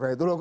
nah itu loh